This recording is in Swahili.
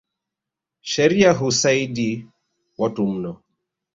Sheria husaidi watu mno.